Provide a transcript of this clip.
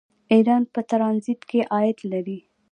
ایران په ټرانزیټ کې عاید لري.